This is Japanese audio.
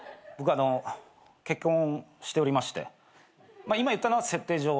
あの結婚しておりまして今言ったのは設定上。